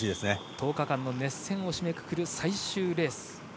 １０日間の熱戦を締めくくる最終レース。